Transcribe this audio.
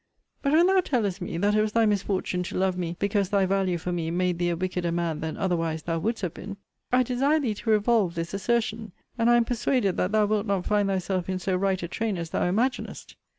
But when thou tellest me, that it was thy misfortune to love me, because thy value for me made thee a wickeder man than otherwise thou wouldst have been; I desire thee to revolve this assertion: and I am persuaded that thou wilt not find thyself in so right a train as thou imaginest.